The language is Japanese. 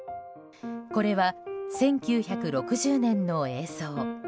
これは１９６０年の映像。